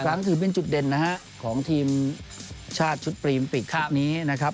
ครั้งถือเป็นจุดเด่นนะฮะของทีมชาติชุดปรีมปิกชุดนี้นะครับ